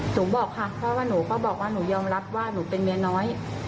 หนูบอกค่ะเพราะว่าหนูก็บอกว่าหนูยอมรับว่าหนูเป็นเมียน้อย